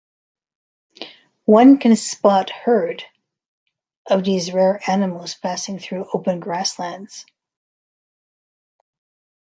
One can spot herd of these rare animals passing through open grasslands.